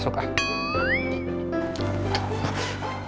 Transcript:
tidak ada yang penting